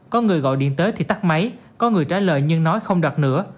có người gọi điện tới thì tắt máy có người trả lời nhưng nói không đặt nữa